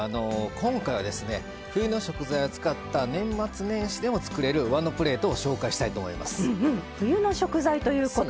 今回はですね冬の食材を使った年末年始でも作れる和のプレートを紹介します。